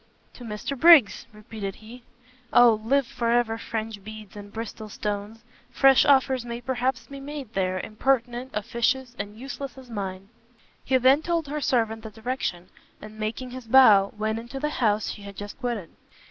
"To Mr Briggs!" repeated he, "O live for ever French beads and Bristol stones! fresh offers may perhaps be made there, impertinent, officious, and useless as mine!" He then told her servant the direction, and, making his bow, went into the house she had just quitted.